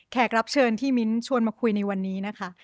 รับเชิญที่มิ้นท์ชวนมาคุยในวันนี้นะคะ